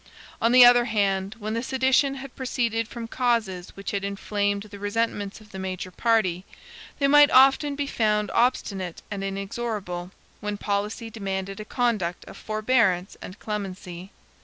On the other hand, when the sedition had proceeded from causes which had inflamed the resentments of the major party, they might often be found obstinate and inexorable, when policy demanded a conduct of forbearance and clemency.